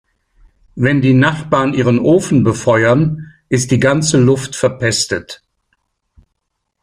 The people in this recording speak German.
Wenn die Nachbarn ihren Ofen befeuern, ist die ganze Luft verpestet.